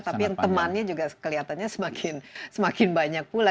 tapi yang temannya juga kelihatannya semakin banyak pula